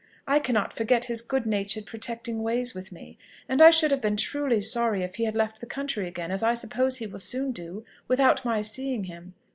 I cannot forget his good natured protecting ways with me, and I should have been truly sorry if he had left the country again, as I suppose he will soon do, without my seeing him."